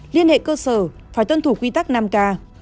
liên hệ cơ sở phải tuân thủ quy tắc năm k